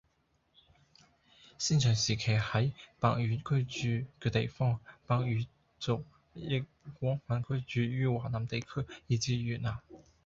先秦時期係百越族居住嘅地方，百越族亦廣泛居住於華南地區以至越南